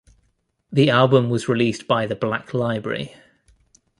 The album was released by The Black Library.